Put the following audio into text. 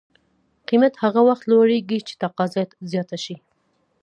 قیمت هغه وخت لوړېږي چې تقاضا زیاته شي.